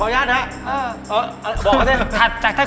ถัดขึ้นไปจากขุน